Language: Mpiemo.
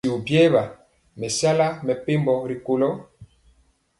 Ɓisio ɓiɛwa me sala mɛpembo rikolo.